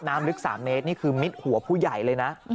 น้ำลึก๓เมตรนี่คือมิดหัวผู้ใหญ่เลยนะ